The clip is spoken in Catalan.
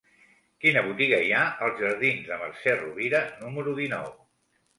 Quina botiga hi ha als jardins de Mercè Rovira número dinou?